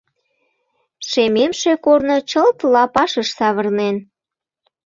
Шемемше корно чылт лапашыш савырнен.